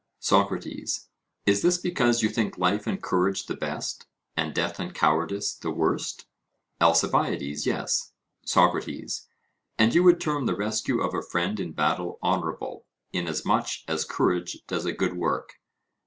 SOCRATES: Is this because you think life and courage the best, and death and cowardice the worst? ALCIBIADES: Yes. SOCRATES: And you would term the rescue of a friend in battle honourable, in as much as courage does a good work?